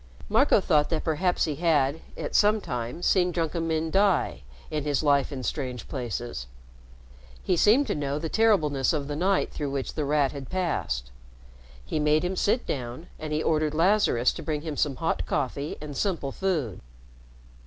Marco thought that perhaps he had, at some time, seen drunken men die, in his life in strange places. He seemed to know the terribleness of the night through which The Rat had passed. He made him sit down, and he ordered Lazarus to bring him some hot coffee and simple food.